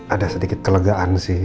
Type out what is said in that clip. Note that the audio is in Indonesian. ada sedikit kelegaan sih